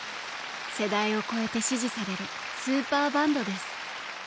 世代を超えて支持されるスーパーバンドです。